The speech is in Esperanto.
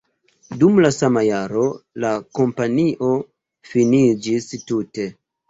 Dum la sama jaro la kompanio finiĝis tute.